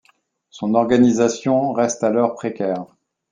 Son organisation reste alors précaire.